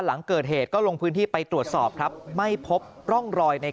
หลังเกิดเหตุก็ลงพื้นที่ไปตรวจสอบครับไม่พบร่องรอยใน